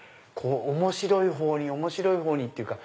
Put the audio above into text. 面白いほうに面白いほうにっていうか。